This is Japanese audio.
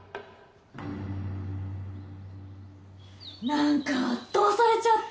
何か圧倒されちゃった！